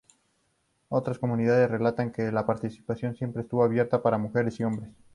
Otras comunidades relatan que a la participación siempre estuvo abierta para mujeres y hombres.